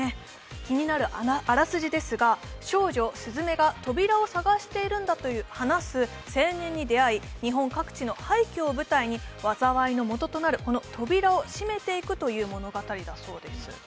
気になるあらすじですが、少女、鈴芽が扉を探しているんだと話す青年に出会い日本各地の廃虚を舞台に災いの元となるこの扉を閉めていくという物語だそうです。